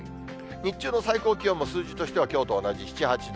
日中の最高気温も、数字としてはきょうと同じ、７、８度。